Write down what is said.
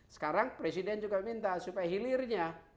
sekarang presiden juga minta supaya hilirnya